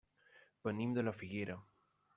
Venim de la Figuera.